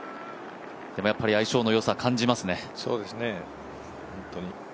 でもやっぱり相性のよさは感じますね。